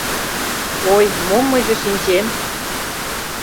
— Ой, мом мыйже шинчем.